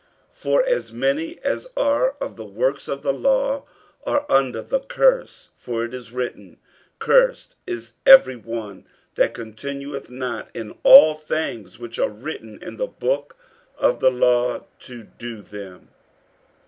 48:003:010 For as many as are of the works of the law are under the curse: for it is written, Cursed is every one that continueth not in all things which are written in the book of the law to do them.